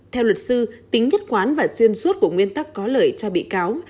theo luật sư tính nhất quán và xuyên suốt của nguyên tắc có lời tra bị cáo